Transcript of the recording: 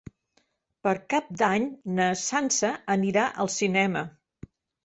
Per Cap d'Any na Sança anirà al cinema.